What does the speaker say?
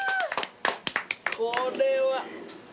これは。